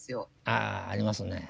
ああありますね。